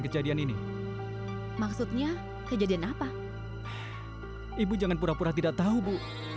saya sudah salah menduga sama ibu